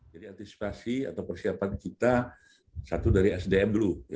jadi antisipasi atau persiapan kita satu dari sdm dulu ya